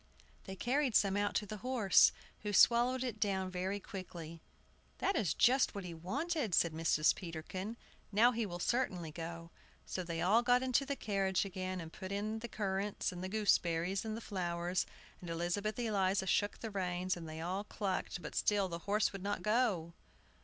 They carried some out to the horse, who swallowed it down very quickly. "That is just what he wanted," said Mrs. Peterkin; "now he will certainly go!" So they all got into the carriage again, and put in the currants and the gooseberries and the flowers; and Elizabeth Eliza shook the reins, and they all clucked; but still the horse would not go!